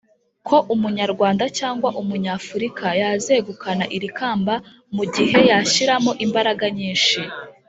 ko umunyarwanda cyangwa umunyafurika yazegukana iri kamba mu gihe yashyiramo imbaraga nyinshi.